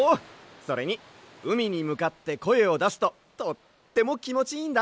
それにうみにむかってこえをだすととってもきもちいいんだ！